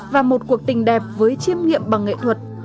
và một cuộc tình đẹp với chiêm nghiệm bằng nghệ thuật